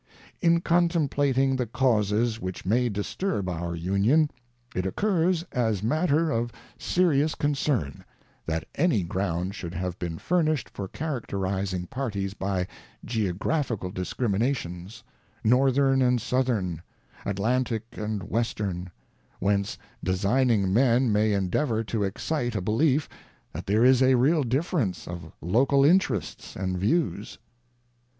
In contemplating the causes which may disturb our Union, it occurs as matter of se WASHINGTON'S FAREWELL ADDRESS rious concern, that any ground should have been furnished for characterizing parties hy Geographical discriminations ŌĆö Northern and Southern ŌĆö Atlantic and Western , whence designing men may endeavour to excite a belief, that there is a real difference of local interests and views.